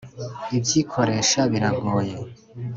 Ibyikoresha biragoye.